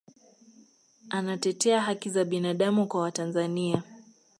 anatetea haki za binadamu kwa watanzania